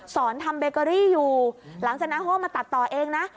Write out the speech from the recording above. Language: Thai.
สอนทำเบเกอรี่อยู่หลังจากนั้นเขาก็มาตัดต่อเองนะ